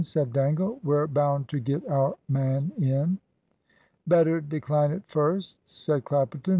said Dangle. "We're bound to get our man in." "Better decline it first," said Clapperton.